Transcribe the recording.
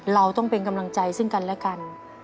เราต้องเป็นกำลังใจซึ่งกันและกัน